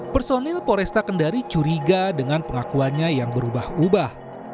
personil poresta kendari curiga dengan pengakuannya yang berubah ubah